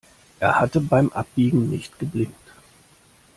Er hatte beim Abbiegen nicht geblinkt.